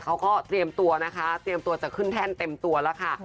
เขาก็เตรียมตัวนะคะเตรียมตัวจะขึ้นแท่นเต็มตัวแล้วค่ะ